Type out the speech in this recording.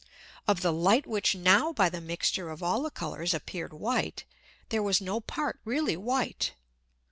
Of the Light which now by the Mixture of all the Colours appeared white, there was no Part really white.